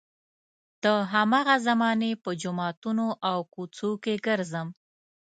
د هماغې زمانې په جوماتونو او کوڅو کې ګرځم.